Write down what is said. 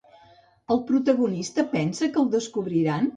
El protagonista pensa que el descobriran?